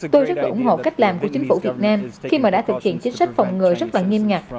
tôi rất là ủng hộ cách làm của chính phủ việt nam khi mà đã thực hiện chính sách phòng ngừa rất là nghiêm ngặt